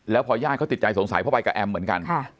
แล้วพอญาติเขาติดใจสงสัยเพราะไปกับแอมเหมือนกัน